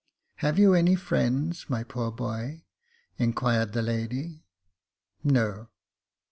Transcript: " Have you any friends, my poor boy ?" inquired the lady. " No."